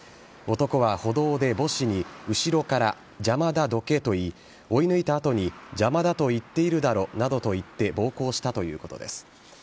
男は歩道で母子に、後ろから邪魔だ、どけと言い、追い抜いたあとに邪魔だと言っているだろなどと言って暴行したということです。